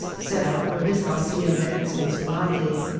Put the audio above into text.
set out for his hacienda at Zon zonate.